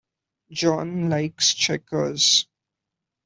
John likes checkers.